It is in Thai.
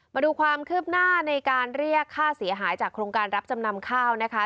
มาดูความคืบหน้าในการเรียกค่าเสียหายจากโครงการรับจำนำข้าวนะคะ